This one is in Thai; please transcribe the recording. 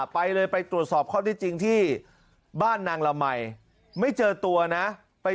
ไปเลยไปตรวจสอบข้อได้จริงที่บ้านนางละมัยไม่เจอตัวนะไป